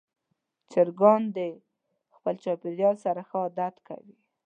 چرګان د خپل چاپېریال سره ښه عادت کوي.